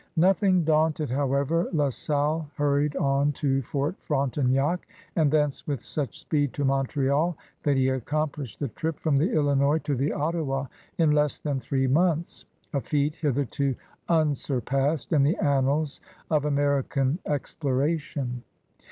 Nothing daunted, however. La Salle hurried on to Fort Frontenac and thence with such speed to Montreal that he accomplished the trip from the Illinois to the Ottawa in less than three months — ^a feat hitherto imsurpassed in the annals, of American exploration.